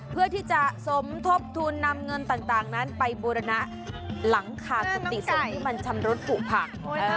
เพื่อที่จะสมทบทุนนำเงินต่างนั้นไปบูรณะหลังขาดสติสมที่มันชำรุดผูกผัก